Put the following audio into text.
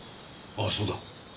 ああそうだ。